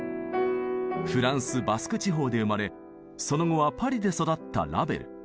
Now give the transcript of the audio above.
フランスバスク地方で生まれその後はパリで育ったラヴェル。